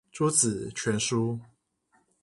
朱子全書